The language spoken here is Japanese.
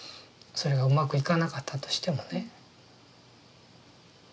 それがうまくいかなかったとしてもね。